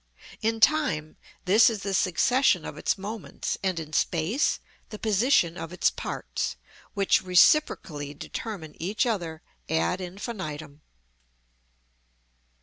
In time, this is the succession of its moments, and in space the position of its parts, which reciprocally determine each other ad infinitum.